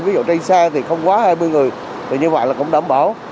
ví dụ trái xa thì không quá hai mươi người thì như vậy là cũng đảm bảo